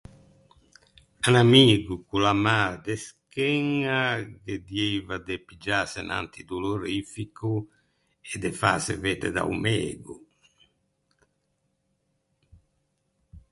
À un amigo ch’o l’à mâ de scheña, ghe dieiva de piggiâse un antidolorifico e de fâse vedde da-o mego.